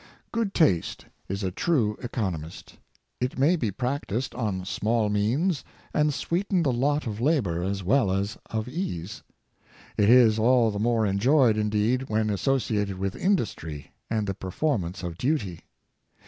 Good taste is a true economist. It may be practiced on small means, and sweeten the lot of labor as well as of ease. It is all the more enjoyed, indeed, when asso ciated with industry and the performance of duty.